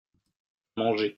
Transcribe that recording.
Manger.